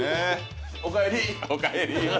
おかえり。